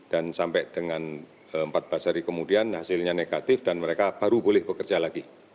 dan sampai dengan empat belas hari kemudian hasilnya negatif dan mereka baru boleh bekerja lagi